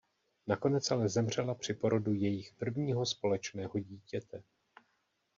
Nakonec ale zemřela při porodu jejich prvního společného dítěte.